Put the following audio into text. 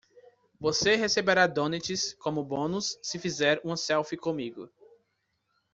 Você receberá donuts como bônus se fizer uma selfie comigo.